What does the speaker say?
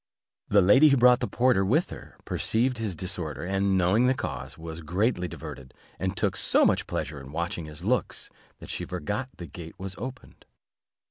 The lady who brought the porter with her, perceiving his disorder, and knowing the cause, was greatly diverted, and took so much pleasure in watching his looks, that she forgot the gate was opened.